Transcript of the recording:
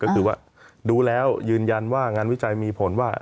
ก็คือว่าดูแล้วยืนยันว่างานวิจัยมีผลว่า